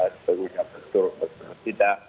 sebelumnya betul atau tidak